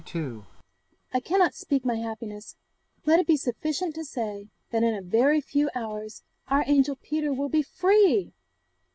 I cannot speak my happiness; let it be sufficient to say, that in a very few hours our angel Peter will be FREE!